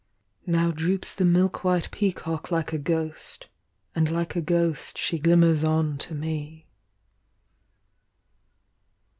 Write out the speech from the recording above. Now droops the milkwhite peacock like a ghost, And like a ghost she glimmers on to me.